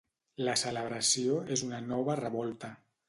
La celebració és una nova revolta.